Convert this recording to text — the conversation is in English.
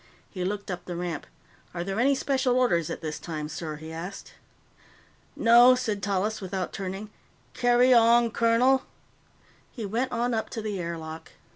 He looked up the ramp. "Are there any special orders at this time, sir?" he asked. "No," said Tallis, without turning. "Carry on, colonel." He went on up to the air lock.